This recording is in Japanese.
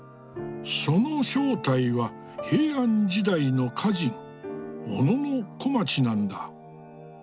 その正体は平安時代の歌人小野小町なんだ。